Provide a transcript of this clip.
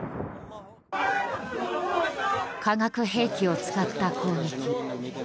化学兵器を使った攻撃。